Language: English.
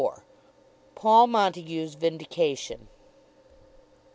PAUL MONTAGUE'S VINDICATION.